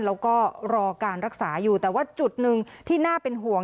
แล้วก็รอการรักษาอยู่แต่ว่าจุดหนึ่งที่น่าเป็นห่วง